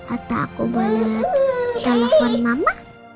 atau aku boleh lihat telepon mama